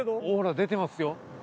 オーラ出てますよ。